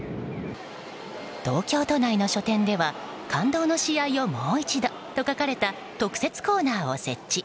東京都内の書店では感動の試合をもう一度と書かれた特設コーナーを設置。